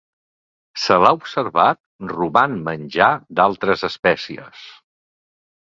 Se l'ha observat robant menjar d'altres espècies.